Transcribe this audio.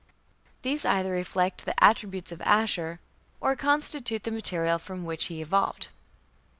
These either reflect the attributes of Ashur, or constitute the material from which he evolved.